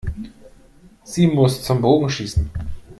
Sie muss zum Bogenschießen.